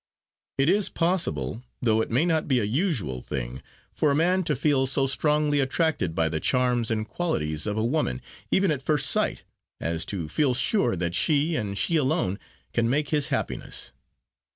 It is possible, though it may not be a usual thing, for a man to feel so strongly attracted by the charms and qualities of a woman, even at first sight, as to feel sure that she, and she alone, can make his happiness.